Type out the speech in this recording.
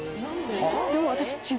でも私。